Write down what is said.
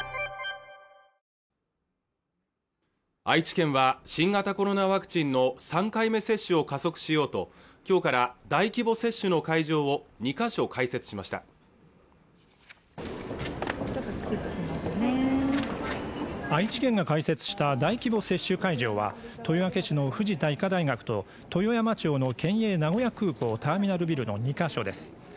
愛知県は新型コロナワクチンの３回目接種を加速しようときょうから大規模接種の会場を２箇所開設しました愛知県が開設した大規模接種会場は豊明市の藤田医科大学と豊山町の県営名古屋空港ターミナルビルの２か所です